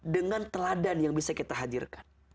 dengan teladan yang bisa kita hadirkan